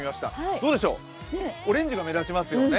どうでしょう、オレンジが目立ちますよね。